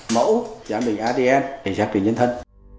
mẫu giám định adn để xác định nhân thân